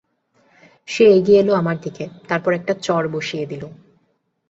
সে এগিয়ে এল আমার দিকে, তারপর একটা চড় বসিয়ে দিল।